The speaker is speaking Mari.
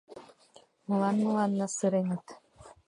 Молан мыланна сыреныт?